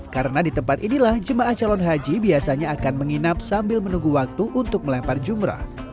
karena di tempat inilah jemaah calon haji biasanya akan menginap sambil menunggu waktu untuk melempar jumrah